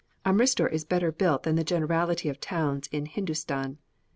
Amritsur is better built than the generality of towns in Hindustan.